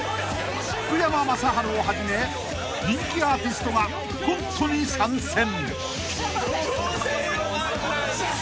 ［福山雅治をはじめ人気アーティストがコントに参戦］